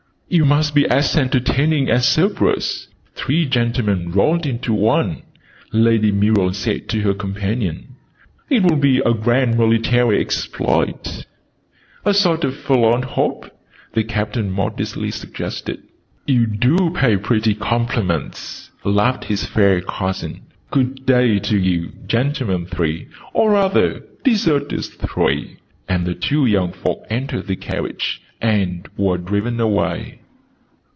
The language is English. "You must be as entertaining as Cerberus 'three gentlemen rolled into one' " Lady Muriel said to her companion. "It will be a grand military exploit!" "A sort of Forlorn Hope?" the Captain modestly suggested. "You do pay pretty compliments!" laughed his fair cousin. "Good day to you, gentlemen three or rather deserters three!" And the two young folk entered the carriage and were driven away.